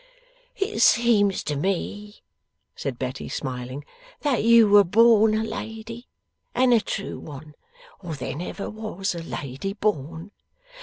'It seems to me,' said Betty, smiling, 'that you were born a lady, and a true one, or there never was a lady born.